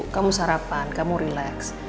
kamu sarapan kamu relax